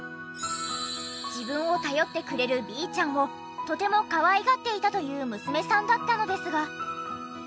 自分を頼ってくれるビーちゃんをとてもかわいがっていたという娘さんだったのですが。